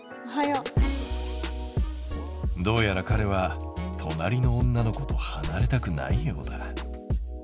どうやらかれは隣の女の子とはなれたくないようだ。